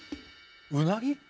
うなぎ？